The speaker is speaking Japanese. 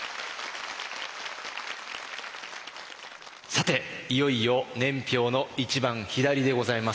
さていよいよ年表の一番左でございます。